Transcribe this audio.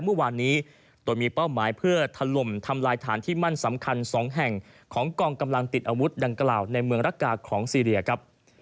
เมื่อวานนี้โดยมีเป้าหมายเพื่อถล่มทำลายฐานที่มั่นสำคัญ๒แห่งของกองกำลังติดอาวุธดังกล่าวในเมืองรักกาของซีเรียครับ